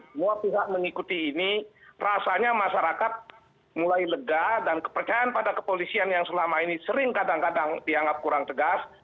semua pihak mengikuti ini rasanya masyarakat mulai lega dan kepercayaan pada kepolisian yang selama ini sering kadang kadang dianggap kurang tegas